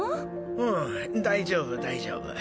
うん大丈夫大丈夫